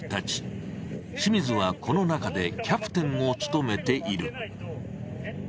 清水はこの中でキャプテンを務めている。